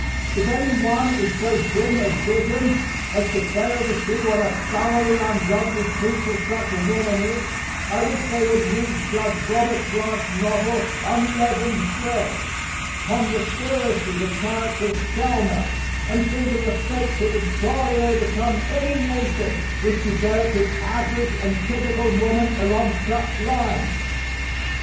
If any one is so dim of vision as to fail to see what a thoroughly unlovely creature such a woman is I wish they would read Judge Robert Grant's novel "Unleavened Bread," ponder seriously the character of Selma, and think of the fate that would surely overcome any nation which developed its average and typical woman along such lines.